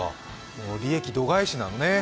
利益度外視なのね。